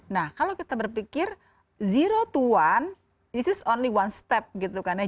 nah kalau kita berpikir ke satu ini hanya satu langkah